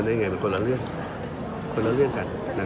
คุณคุมใจไทยก็ง่ายคุยก็ยังคุยอย่างนี้